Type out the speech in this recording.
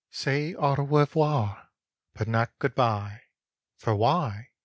"Say au revoir, but not good bye, For why?